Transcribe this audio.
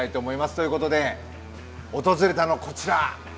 ということで訪れたのはこちら。